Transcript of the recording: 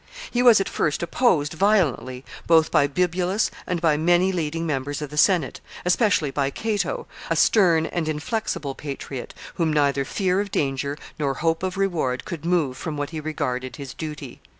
He was at first opposed violently both by Bibulus and by many leading members of the Senate, especially by Cato, a stern and inflexible patriot, whom neither fear of danger nor hope of reward could move from what he regarded his duty.